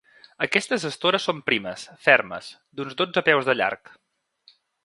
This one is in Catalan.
Aquestes estores són primes, fermes, d'uns dotze peus de llarg.